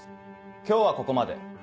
今日はここまで。